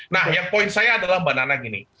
nah yang poin saya adalah mbak nana gini